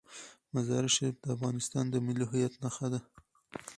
مزارشریف د افغانستان د ملي هویت نښه ده.